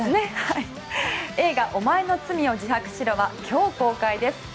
映画「おまえの罪を自白しろ」は今日公開です。